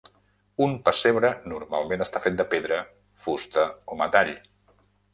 Un pessebre normalment està fet de pedra, fusta o metall.